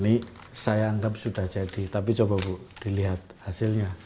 ini saya anggap sudah jadi tapi coba bu dilihat hasilnya